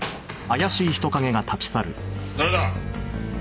誰だ？